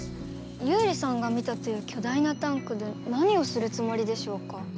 ユウリさんが見たという巨大なタンクで何をするつもりでしょうか？